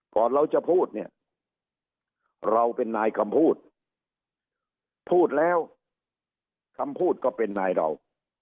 ก่อนเราจะพูดเนี่ยเราเป็นนายคำพูดพูดแล้วคำพูดก็เป็นนายเรา